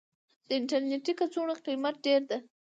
د انټرنيټي کڅوړو قيمت ډير ده.